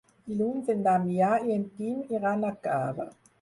Dilluns en Damià i en Quim iran a Cava.